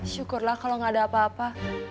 syukurlah kalau gak ada apa apa